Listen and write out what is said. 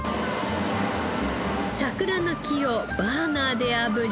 桜の木をバーナーで炙り。